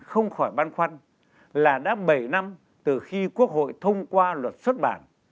không khỏi băn khoăn là đã bảy năm từ khi quốc hội thông qua luật xuất bản